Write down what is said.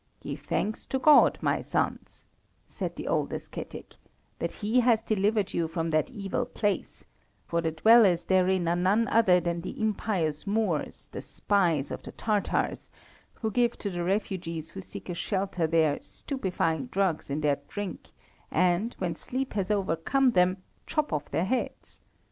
"Give thanks to God, my sons," said the old ascetic, "that He has delivered you from that evil place, for the dwellers therein are none other than the impious Moors, the spies of the Tatars, who give to the refugees who seek a shelter there, stupefying drugs in their drink, and, when sleep has overcome them, chop off their heads.